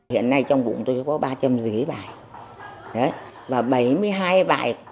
hiện nay trong bụng tôi có ba trăm linh giấy bài